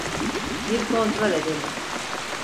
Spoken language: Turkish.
Bir kontrol edelim.